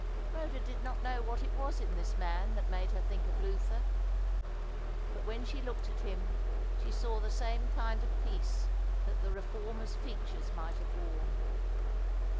Rhoda did not know what it was in this man that made her think of Luther. But when she looked at him she saw the same kind of peace that the reformer's features might have worn.